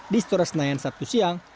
di stora senayan sabtu siang